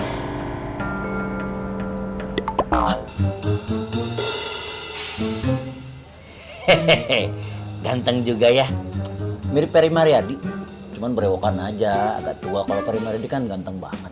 hehehe ganteng juga ya mirip peri mariadi cuma berewokan aja agak tua kalau peri mariadi kan ganteng banget